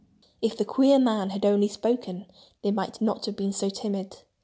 If the queer man had only spoken they might not have been so timid.